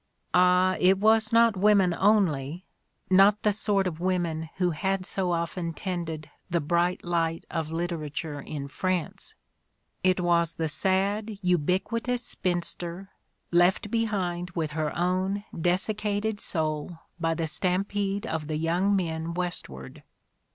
Ah, it was not women only, not the sort of women who had so often tended the bright light of literature in France ! It was the sad, ubiquitous spinster, left behind with her own desiccated soul by the stampede of the young men west ward.